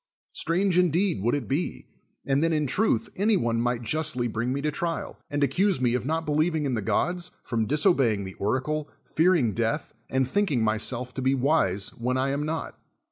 Strange indeed would it be, and then in truth any one might justly bring me to trial, and ac cuse me of not believing in the gods, from diso b(\ving the oracle, fearing death, and thinking myself to be wise when I am not.